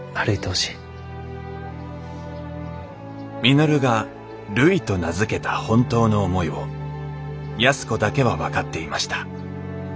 稔がるいと名付けた本当の思いを安子だけは分かっていました。